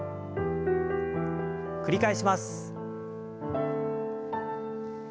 繰り返します。